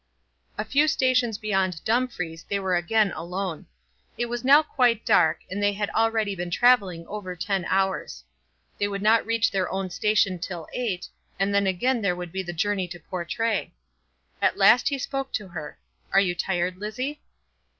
A few stations beyond Dumfries they were again alone. It was now quite dark, and they had already been travelling over ten hours. They would not reach their own station till eight, and then again there would be the journey to Portray. At last he spoke to her. "Are you tired, Lizzie?"